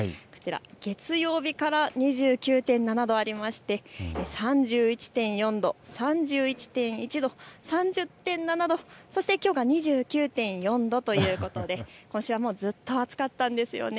月曜日から２９．７度ありまして３１．４度、３１．１度、３０．７度、そしてきょうは２９．４度ということで今週はずっと暑かったんです。